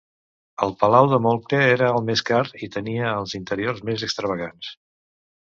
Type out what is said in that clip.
El Palau de Moltke era el més car i tenia els interiors més extravagants.